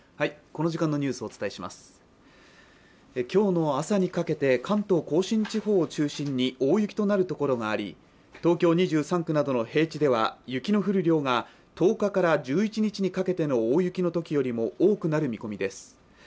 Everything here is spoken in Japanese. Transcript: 今日の朝にかけて関東甲信地方を中心に大雪となるところがあり、東京２３区の平地などでは雪の降る量が、１０日から１１日にかけての大雪のときよりも多くなる見込みです。